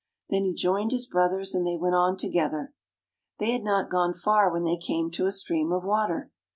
Then he joined his brothers and they went on together. They had not gone far when they came to a stream of water.